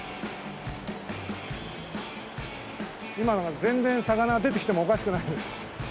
今のが全然魚が出てきてもおかしくない。